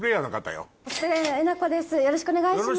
よろしくお願いします。